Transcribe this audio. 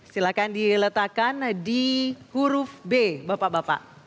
silakan diletakkan di huruf b bapak bapak